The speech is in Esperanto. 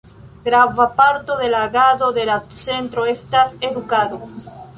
Grava parto de la agado de la Centro estas edukado.